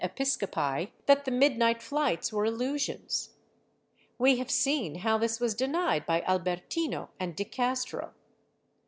Episcopi that the midnight flights were illusions. We have seen how this was denied by Albertino and de Castro.